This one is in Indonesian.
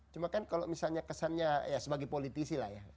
cuma kan kalau misalnya kesannya ya sebagai politisi lah ya